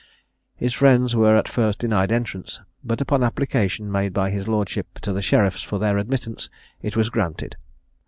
His friends were at first denied entrance; but, upon application made by his lordship to the sheriffs for their admittance, it was granted.